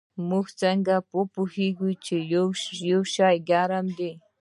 موږ څنګه پوهیږو چې یو شی ګرم دی